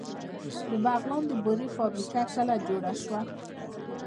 د بغلان د بورې فابریکه کله جوړه شوه؟